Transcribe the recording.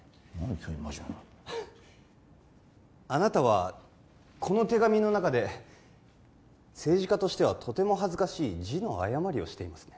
急に真面目にあなたはこの手紙の中で政治家としてはとても恥ずかしい字の誤りをしていますね